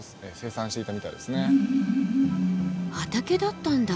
畑だったんだ。